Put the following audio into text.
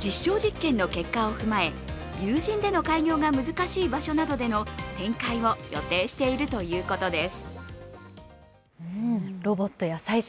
実証実験の結果を踏まえ有人での開業が難しい場所での展開を予定しているということです。